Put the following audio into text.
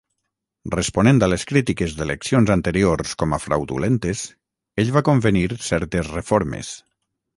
Responent a les crítiques d'eleccions anteriors com a fraudulentes, ell va convenir certes reformes.